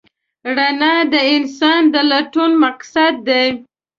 رڼا د انسان د لټون مقصد دی.